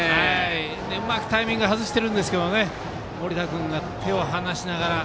うまくタイミング外してるんですけど森田君が手を離しながら。